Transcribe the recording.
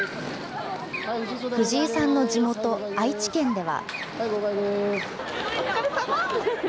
藤井さんの地元、愛知県では。